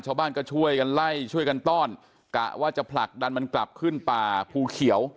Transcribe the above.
ชาวบ้านก็ช่วยกันไล่ช่วยกันต้อนกะว่าจะผลักดันมันกลับขึ้นป่าภูเขียว